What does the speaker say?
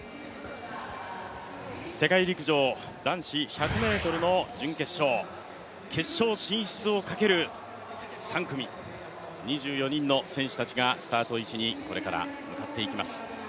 世界陸上男子１００ｍの準決勝、決勝進出をかける３組、２４人の選手たちがスタート位置にこれから向かっていきます。